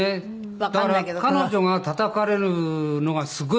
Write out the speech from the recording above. だから彼女がたたかれるのがすごい